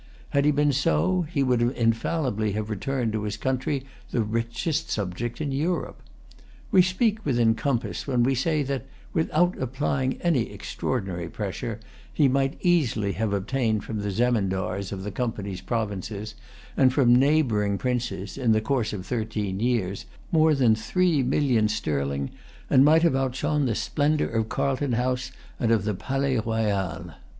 Had he been so he would infallibly have returned to his country the richest subject in Europe. We speak within compass when we say that, without applying any extraordinary pressure, he might easily have obtained from the zemindars of the Company's provinces and from neighboring princes, in the course of thirteen years, more than three millions sterling, and might have outshone the splendor of Carlton House and of the Palais Royal.